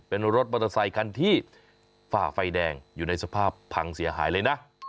เป็นรถมอเตอร์ไซคันที่ฝ่าไฟแดงอยู่ในสภาพพังเสียหายเลยนะ